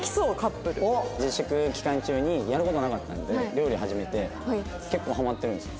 自粛期間中にやる事なかったんで料理始めて結構ハマってるんですよ。